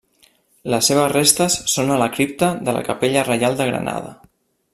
Les seves restes són a la cripta de la Capella Reial de Granada.